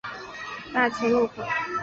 这座车站位于劳动路与大庆路口。